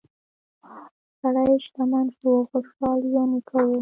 سړی شتمن شو او خوشحاله ژوند یې کاوه.